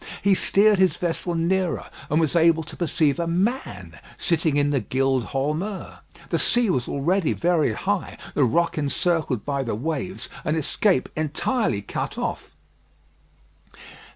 He steered his vessel nearer, and was able to perceive a man sitting in the "Gild Holm 'Ur." The sea was already very high, the rock encircled by the waves, and escape entirely cut off.